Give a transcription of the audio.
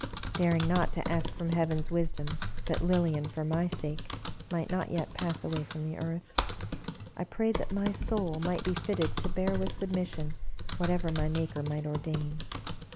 Daring not to ask from Heaven's wisdom that Lilian, for my sake, might not yet pass away from the earth, I prayed that my soul might be fitted to bear with submission whatever my Maker might ordain.